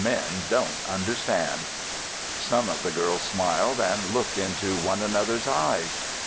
Men don't understand." Some of the girls smiled and looked into one another's eyes.